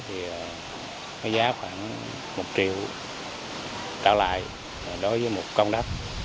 thì giá khoảng một triệu trả lại đối với một công đắp